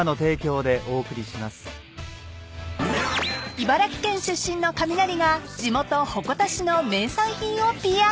［茨城県出身のカミナリが地元鉾田市の名産品をＰＲ］